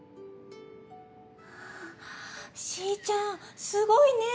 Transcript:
しーちゃんすごいね！